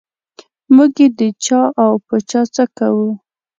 موږ یې د چا او په چا څه کوو.